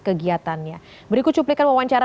kegiatannya berikut cuplikan wawancara